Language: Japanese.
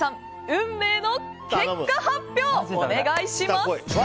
運命の結果発表お願いします。